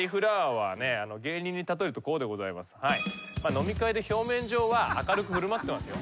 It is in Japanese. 飲み会で表面上は明るく振る舞ってますよ。